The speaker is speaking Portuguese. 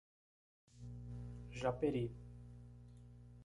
Japeri